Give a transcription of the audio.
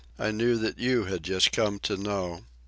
. I knew that you had just come to know